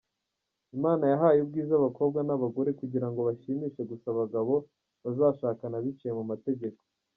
Imana yahaye ubwiza abakobwa n’abagore, kugirango bashimishe gusa umugabo bazashakana biciye mu mategeko.